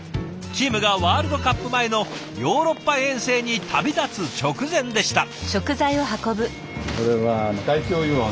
チームがワールドカップ前のヨーロッパ遠征に旅立つ直前でした。